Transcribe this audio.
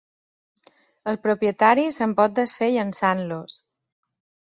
El propietari se'n pot desfer llençant-los.